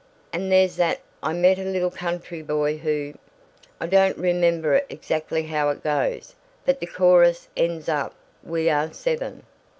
And there's that 'I met a little country boy who ' I don't remember exactly how it goes, but the chorus ends up, 'We are seven.'"